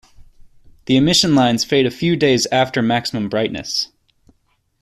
The emission lines fade a few days after maximum brightness.